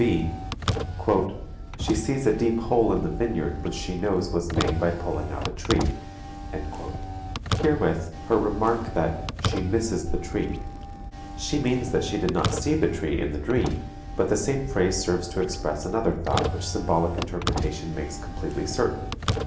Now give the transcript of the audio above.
(b). "She sees a deep hole in the vineyard which she knows was made by pulling out a tree." Herewith her remark that "she misses the tree." She means that she did not see the tree in the dream, but the same phrase serves to express another thought which symbolic interpretation makes completely certain.